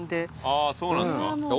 そうなんですか？